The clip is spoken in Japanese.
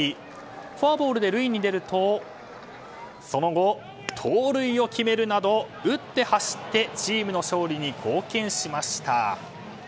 フォアボールで塁に出るとその後、盗塁を決めるなど打って走ってチームの勝利に貢献しました。